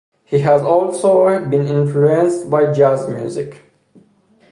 He has also been influenced by jazz music.